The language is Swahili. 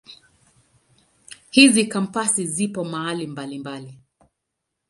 Hizi Kampasi zipo mahali mbalimbali.